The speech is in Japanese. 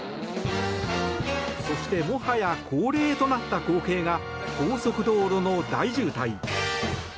そしてもはや恒例となった光景が高速道路の大渋滞。